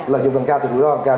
lợi dụng gần cao thì rủi ro gần cao